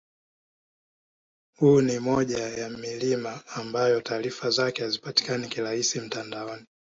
Huu ni moja ya milima ambayo taarifa zake hazipatikani kirahisi mtandaoni